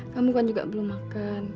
kamu kan juga belum makan